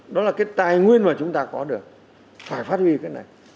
đó là cái tài nguyên mà chúng ta có được phải phát huy cái này